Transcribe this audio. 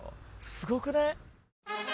すごくない？